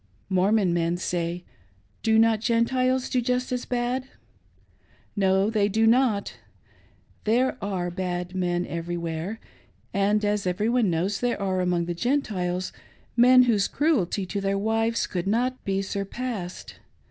Mormon men say, "Do not the Gentiles do just as bad.'" No ; they do not ! There are bad men everywhere, and, a^ every one knows, there are among the Gentiles men whose cruelty to their wives could not be surpassed.